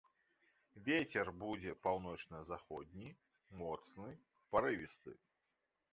Вецер будзе паўночна-заходні, моцны, парывісты.